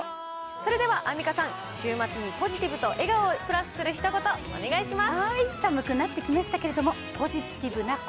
それではアンミカさん、週末にポジティブと笑顔をプラスするひと言、お願いします。